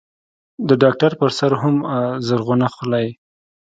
د ډاکتر پر سر هم زرغونه خولۍ.